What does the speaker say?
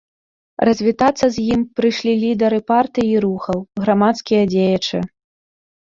Развітацца з ім прыйшлі лідары партый і рухаў, грамадскія дзеячы.